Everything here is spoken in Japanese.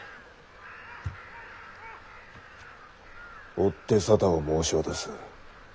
おって沙汰を申し渡す。